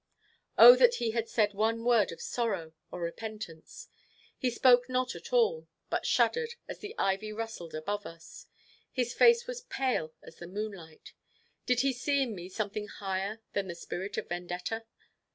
Oh that he had said one word of sorrow or repentance! He spoke not at all; but shuddered, as the ivy rustled above us. His face was pale as the moonlight. Did he see in me something higher than the spirit of Vendetta?